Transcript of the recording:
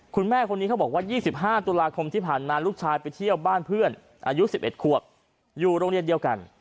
คุณแม่คนนี้เขาบอกว่า๒๕ตุลาคมที่ผ่านมาลูกชายไปเที่ยวบ้านเพื่อนอายุ๑๑ควบอยู่โรงเรียนเดียวกัน